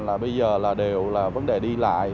là bây giờ là đều là vấn đề đi lại